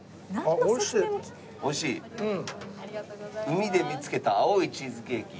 海で見つけた青いチーズケーキ。